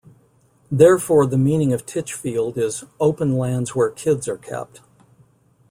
Therefore, the meaning of Titchfield is 'open lands where kids are kept'.